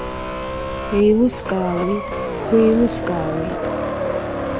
Беилыскаауеит, беилыскаауеит!